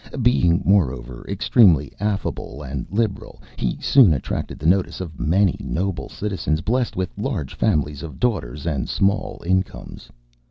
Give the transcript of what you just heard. Being, moreover, extremely affable and liberal, he soon attracted the notice of many noble citizens blessed with large families of daughters and small incomes.